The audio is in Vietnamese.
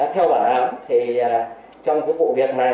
theo bản án thì trong cái vụ việc